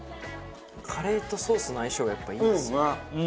カレーとソースの相性がやっぱいいですね。